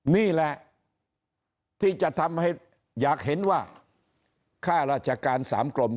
นี่แหละที่จะทำให้อยากเห็นว่าค่าราชการ๓กรม